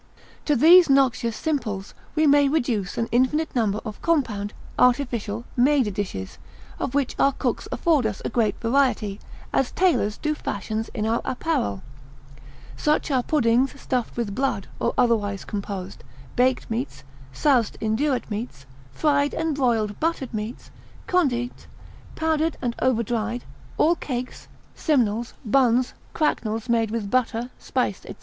To these noxious simples, we may reduce an infinite number of compound, artificial, made dishes, of which our cooks afford us a great variety, as tailors do fashions in our apparel. Such are puddings stuffed with blood, or otherwise composed; baked, meats, soused indurate meats, fried and broiled buttered meats; condite, powdered, and over dried, all cakes, simnels, buns, cracknels made with butter, spice, &c.